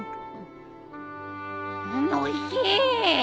おいしい。